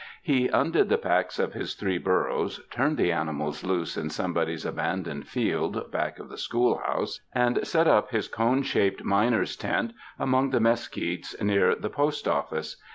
He undid the packs of his three burros, turned the animals loose in somebody's abandoned field back of the school house, and set up his cone shaped miner's tent among the mesquits near the 13ost office.